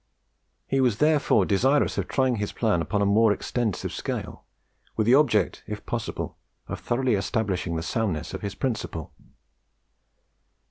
He was therefore desirous of trying his plan upon a more extensive scale, with the object, if possible, of thoroughly establishing the soundness of his principle.